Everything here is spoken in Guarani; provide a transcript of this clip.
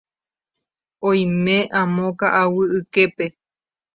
Oime amo ka'aguy yképe.